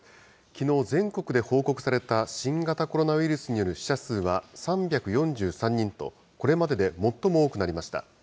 きのう、全国で報告された新型コロナウイルスによる死者数は３４３人と、これまでで最も多くなりました。